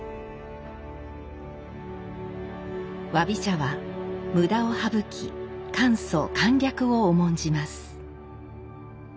侘び茶は無駄を省き簡素簡略を重んじます。